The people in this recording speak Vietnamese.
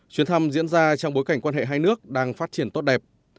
chuyến thăm diễn ra trong bối cảnh quan hệ hai nước đang phát triển tốt đẹp